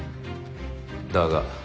だが。